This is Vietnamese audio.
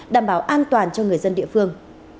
đảm bảo an toàn cho người dân địa phương